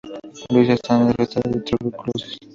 Luisa está infectada de tuberculosis.